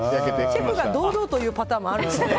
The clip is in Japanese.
シェフが堂々と言うパターンもあるんですね。